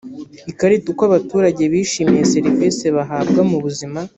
ikarita uko abaturage bishimiye serivisi bahabwa mu buzima